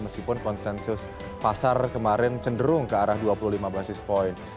meskipun konsensus pasar kemarin cenderung ke arah dua puluh lima basis point